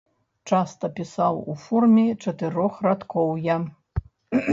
Часта пісаў у форме чатырохрадкоўяў.